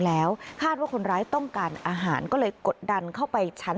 แล้วคาดว่าคนร้ายต้องการอาหารก็เลยกดดันเข้าไปชั้น